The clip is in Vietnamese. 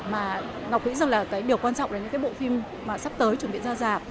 mà ngọc nghĩ rằng là cái điều quan trọng là những cái bộ phim mà sắp tới chuẩn bị ra giảp